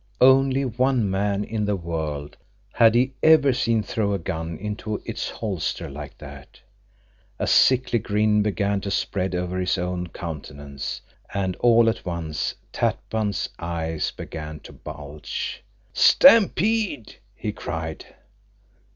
Only one man in the world had he ever seen throw a gun into its holster like that. A sickly grin began to spread over his own countenance, and all at once Tatpan's eyes began to bulge. "Stampede!" he cried.